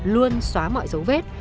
luôn xóa mọi dấu vết